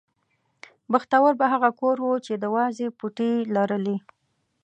بختور به هغه کور و چې د وازې پوټې یې لرلې.